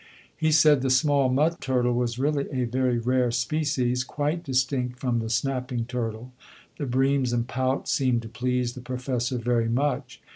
He said the small mud turtle was really a very rare species, quite distinct from the snapping turtle. The breams and pout seemed to please the Professor very much.